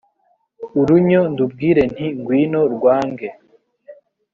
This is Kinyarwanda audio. urunyo ndubwire nti ngwino rwange